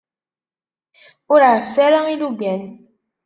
Ur ɛeffes ara ilugan.